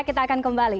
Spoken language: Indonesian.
kita akan kembali